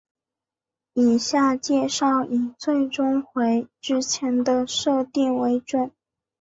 以下介绍以最终回之前的设定为准。